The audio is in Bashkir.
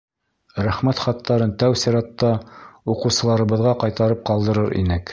— Рәхмәт хаттарын тәү сиратта уҡыусыларыбыҙға ҡайтарып ҡалдырыр инек.